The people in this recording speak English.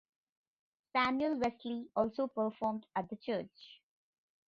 Samuel Wesley also performed at the church.